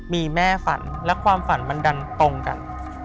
มีแม่ฝันและความฝันมันดันตรงกัน